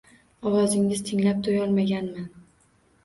Ovozingiz tinglab to’yolmaganman.